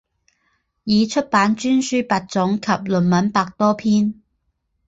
已出版专书八种及论文百多篇。